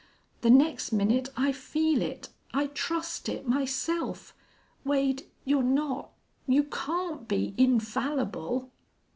The next minute I feel it I trust it, myself.... Wade, you're not you can't be infallible!"